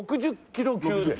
６０キロ級。